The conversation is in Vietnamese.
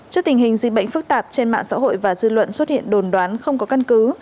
trước tình hình dịch bệnh phức tạp trên mạng xã hội và dư luận xuất hiện đồn đoán không có căn cứ